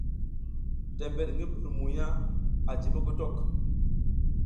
Tebed ngi mbur mugna a ji mogodok.